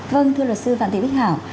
vâng thưa luật sư phạm thị bích hảo